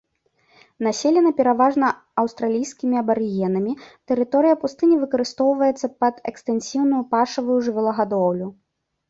Населена пераважна аўстралійскімі абарыгенамі, тэрыторыя пустыні выкарыстоўваецца пад экстэнсіўную пашавую жывёлагадоўлю.